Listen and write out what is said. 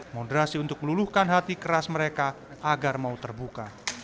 moderasi untuk meluluhkan hati keras mereka agar mau terbuka